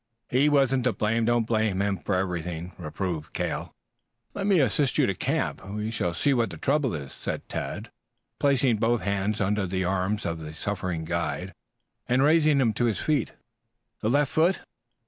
"He wasn't to blame. Don't blame him for everything," reproved Cale. "Let me assist you to camp. We will see what is the trouble," said Tad, placing both hands under the arms of the suffering guide and raising him to his feet. "The left foot?